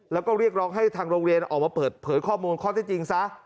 แล้วก็เรียกร้องให้ทางโรงเรียนออกมาเปิดเผยข้อมูลข้อที่จริงซะ